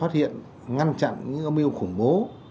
để ngăn chặn những âm yêu khủng bố